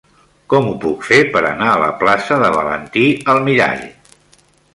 Com ho puc fer per anar a la plaça de Valentí Almirall?